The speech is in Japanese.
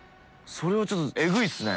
それはちょっとエグいですね。